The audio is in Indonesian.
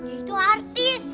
dia itu artis